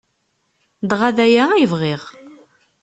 Dɣa d aya ay bɣiɣ.